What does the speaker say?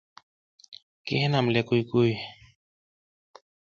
Ki hinam le kuy kuy.